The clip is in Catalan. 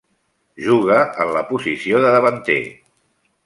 Juga en la posició de davanter.